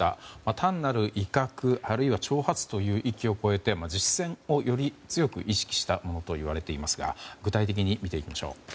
単なる威嚇あるいは挑発という域を超えて実戦をより強く意識したものと言われていますが具体的に見ていきましょう。